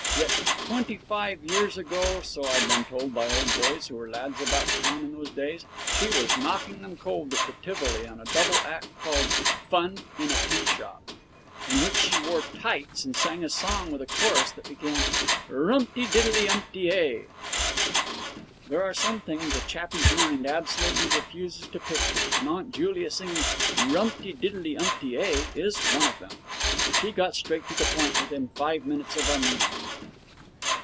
Yet, twenty five years ago, so I've been told by old boys who were lads about town in those days, she was knocking them cold at the Tivoli in a double act called 'Fun in a Tea Shop', in which she wore tights and sang a song with a chorus that began, 'Rumpty tiddley umpty ay'. There are some things a chappie's mind absolutely refuses to picture, and Aunt Julia singing 'Rumpty tiddley umpty ay' is one of them. She got straight to the point within five minutes of our meeting.